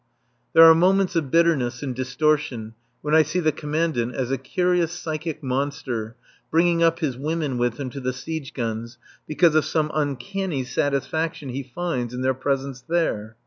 There are moments of bitterness and distortion when I see the Commandant as a curious psychic monster bringing up his women with him to the siege guns because of some uncanny satisfaction he finds in their presence there.